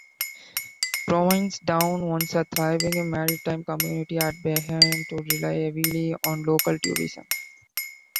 Provincetown, once a thriving maritime community had begun to rely heavily on local tourism.